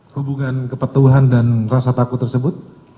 hubungan kepatuhan dan rasa takut tersebut